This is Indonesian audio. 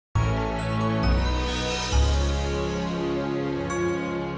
sampai jumpa di video selanjutnya